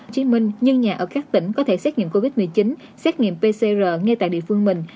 chính minh nhân nhà ở các tỉnh có thể xét nghiệm covid một mươi chín xét nghiệm pcr ngay tại địa phương mình